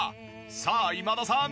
さあ今田さん